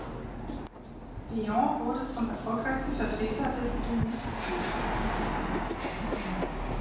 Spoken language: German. Dion wurde zum erfolgreichsten Vertreter des Doo-Wop-Stils.